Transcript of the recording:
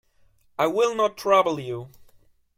I will not trouble you.